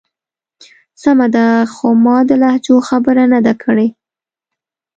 سمه ده. خو ما د لهجو خبره نه ده کړی.